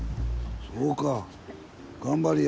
そうか頑張りや。